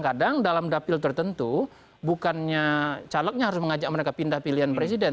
pada saat ini kalau mereka pindah ke dapil tertentu bukannya calegnya harus mengajak mereka pindah pilihan presiden